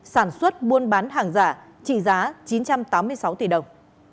sản xuất buôn bán hàng giả trị giá chín trăm tám mươi sáu tỷ đồng